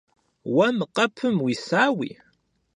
Уэ мы къэпым уисауи?